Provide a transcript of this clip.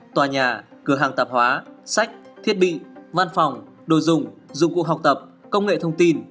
tòa nhà cửa hàng tạp hóa sách thiết bị văn phòng đồ dụng dụng cụ học tập công nghệ thông tin